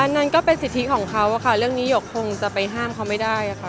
นั่นก็เป็นสิทธิของเขาค่ะเรื่องนี้หยกคงจะไปห้ามเขาไม่ได้ค่ะ